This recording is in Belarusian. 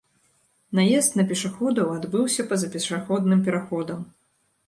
Наезд на пешаходаў адбыўся па-за пешаходным пераходам.